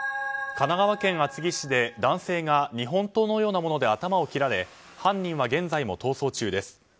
神奈川県厚木市で男性が日本刀のようなもので頭を切られ犯人は現在も逃走中です。